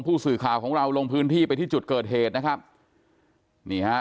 ผู้สื่อข่าวของเราลงพื้นที่ไปที่จุดเกิดเหตุนะครับนี่ฮะ